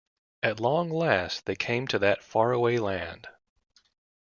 At long last they came to that faraway land.